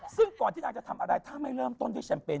ซึ่งก่อนที่นางจะทำอะไรถ้าไม่เริ่มต้นด้วยแชมเปญ